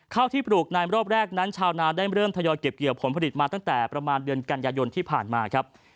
ข้าวที่ปลูกในรอบแรกนั้นชาวนาได้เริ่มทยอยเก็บเกี่ยวผลผลิตมาตั้งแต่ประมาณเดือนกันยายนที่ผ่านมาครับ